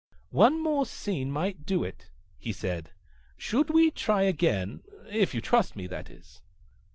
"One more scene might do it," he said. "Should we try again if you trust me, that is?"